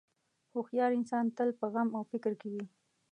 هوښیار انسان تل په غم او فکر کې وي.